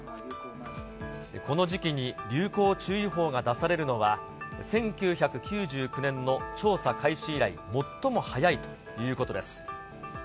この時期に流行注意報が出されるのは、１９９９年の調査開始以来最も早いということです。